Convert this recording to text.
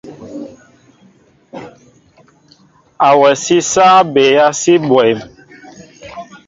Awasí sááŋ bɛa si bwéém.